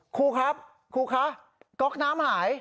ครูครับครูคะก๊อกน้ำหาย